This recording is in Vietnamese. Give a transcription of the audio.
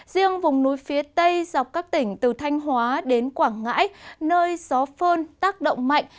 riêng vùng núi phía tây dọc các tỉnh từ thanh hóa đến quảng ngãi nơi gió phơn tác động mạnh